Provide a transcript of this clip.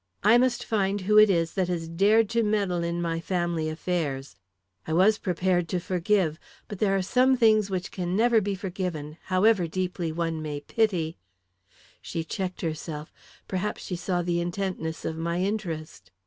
I must find who it is that has dared to meddle in my family affairs. I was prepared to forgive but there are some things which can never be forgiven however deeply one may pity " She checked herself; perhaps she saw the intentness of my interest.